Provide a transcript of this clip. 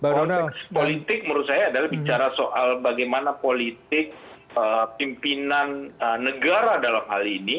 politik menurut saya adalah bicara soal bagaimana politik pimpinan negara dalam hal ini